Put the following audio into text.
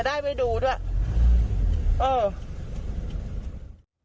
เดี๋ยวได้ไปดูด้วย